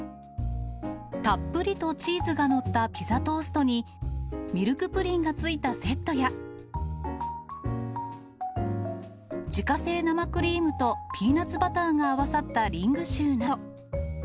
たっぷりとチーズが載ったピザトーストに、ミルクプリンが付いたセットや、自家製生クリームとピーナツバターが合わさったリングシューなど。